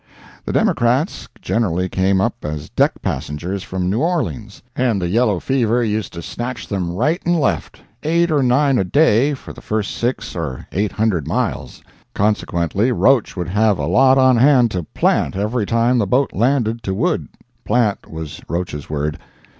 The Democrats generally came up as deck passengers from New Orleans, and the yellow fever used to snatch them right and left—eight or nine a day for the first six or eight hundred miles; consequently Roach would have a lot on hand to "plant" every time the boat landed to wood—"plant" was Roach's word.